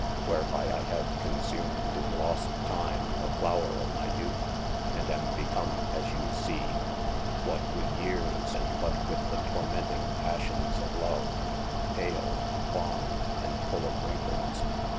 Wherby I have consumed in lost time the flower of my youth, & am become as you see (what with yeares, and what with the tormenting passions of love) pale, wane, and full of wrinkles.